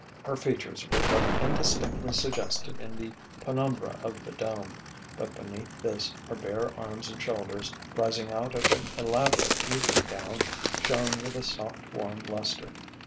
Her features were but indistinctly suggested in the penumbra of the dome, but beneath this her bare arms and shoulders, rising out of an elaborate evening gown, shone with a soft warm lustre.